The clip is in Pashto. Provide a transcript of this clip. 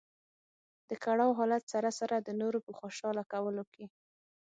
د کړاو حالت سره سره د نورو په خوشاله کولو کې.